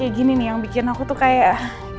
kayak gini nih yang bikin aku tuh kayak